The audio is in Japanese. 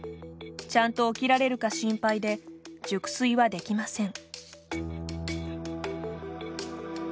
ちゃんと起きられるか心配で熟睡はできません。